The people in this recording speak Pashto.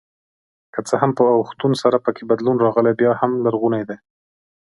که څه هم په اوښتون سره پکې بدلون راغلی بیا هم لرغوني دي.